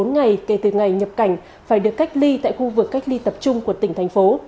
một mươi ngày kể từ ngày nhập cảnh phải được cách ly tại khu vực cách ly tập trung của tỉnh thành phố